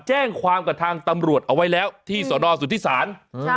แจ้งความกับทางตำรวจเอาไว้แล้วที่สนสุธิศาล